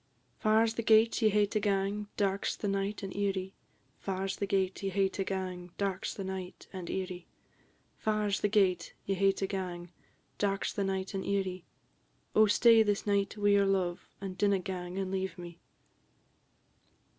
"Far 's the gate ye hae to gang; dark 's the night, and eerie; Far 's the gate ye hae to gang; dark 's the night, and eerie; Far 's the gate ye hae to gang; dark 's the night, and eerie; Oh, stay this night wi' your love, and dinna gang and leave me."